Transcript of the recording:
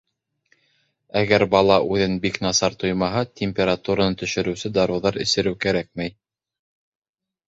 Әгәр бала үҙен бик насар тоймаһа, температураны төшөрөүсе дарыуҙар эсереү кәрәкмәй.